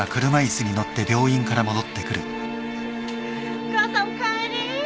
お母さんおかえり。